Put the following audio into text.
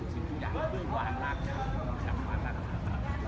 ผมก็จะทำสุขชีพทุกอย่างพึ่งหวานรัก